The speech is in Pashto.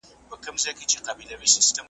کمالونه چي د هري مرغۍ ډیر وي `